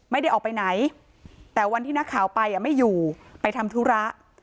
ไม่ได้ออกไปไหนแต่วันที่นักข่าวไปไม่อยู่ไปทำธุระ